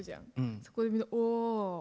そこで、おー！